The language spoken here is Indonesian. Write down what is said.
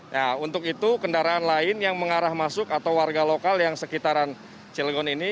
nah untuk itu kendaraan lain yang mengarah masuk atau warga lokal yang sekitaran cilegon ini